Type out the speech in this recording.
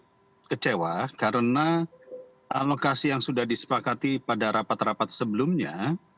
saya kecewa karena alokasi yang sudah disepakati pada rapat rapat sebelumnya